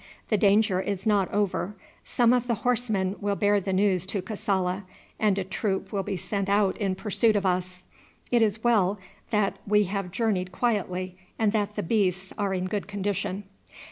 The danger is not over; some of the horsemen will bear the news to Kassala and a troop will be sent out in pursuit of us. It is well that we have journeyed quietly and that the beasts are in good condition."